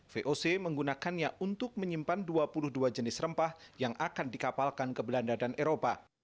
voc menggunakannya untuk menyimpan dua puluh dua jenis rempah yang akan dikapalkan ke belanda dan eropa